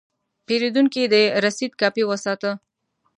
پیرودونکی د رسید کاپي وساته.